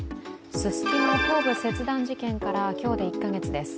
ススキノ頭部切断事件から今日で１か月です。